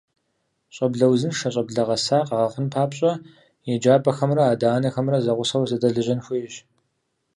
Щӏэблэ узыншэ, щӏэблэ гъэса къэгъэхъун папщӏэ еджапӏэхэмрэ адэ-анэхэмрэ зэгъусэу зэдэлэжьэн хуейщ.